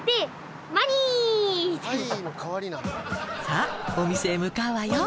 さあお店へ向かうわよ。